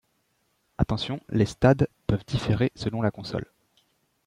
Attention, les stades peuvent différer selon la console.